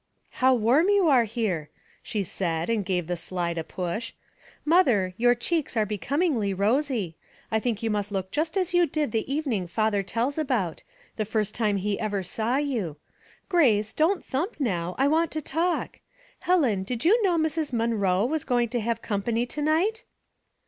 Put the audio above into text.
" How warm you are here," she said, and gave the slide a push. " Mother, your cheeks are becomingly rosy. I think you must look just aa you did the evening father tells about — thefii^st 42 Household Puzzles. time he ever saw you. Grace, don't thump uow, I want to talk. Helen, did you know Mr?. Mon roe was going to have company to night?"